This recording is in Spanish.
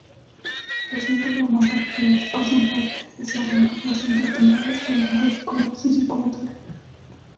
Los síntomas más característicos son fuertes desórdenes gastrointestinales, calambres y colapso circulatorio.